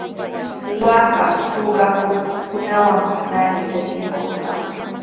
Waaka suqakuqkunawan naanitraw tinkurqaa.